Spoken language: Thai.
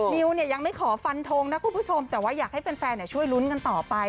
มิวเนี่ยยังไม่ขอฟันทงนะคุณผู้ชมแต่ว่าอยากให้แฟนช่วยลุ้นกันต่อไป